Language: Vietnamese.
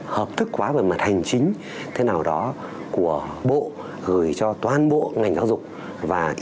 hợp thức hóa về mặt hành chính thế nào đó của bộ gửi cho toàn bộ ngành giáo dục của các trường hợp